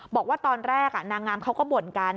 บอกว่าตอนแรกนางงามเขาก็บ่นกัน